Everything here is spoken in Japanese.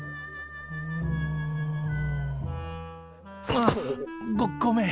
あっごごめん！